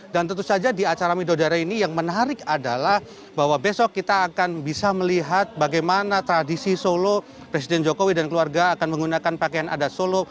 dan tentu saja di acara midodare ini yang menarik adalah bahwa besok kita akan bisa melihat bagaimana tradisi solo presiden jokowi dan keluarga akan menggunakan pakaian adat solo